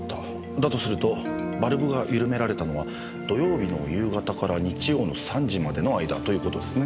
だとするとバルブが緩められたのは土曜日の夕方から日曜の３時までの間ということですね。